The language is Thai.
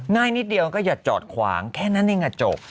ง่ายนิดเดียวก็อย่าจอดขวางแค่นั้นเองกระจก